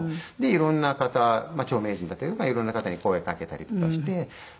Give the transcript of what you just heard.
いろんな方著名人だったりとかいろんな方に声かけたりとかして集まってくれて。